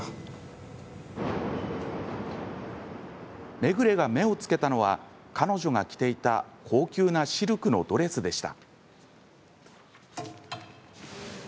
メグレが目を付けたのは彼女が着ていた高級なシルクのドレスでした。